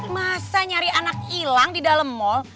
masa nyari anak hilang di dalam mall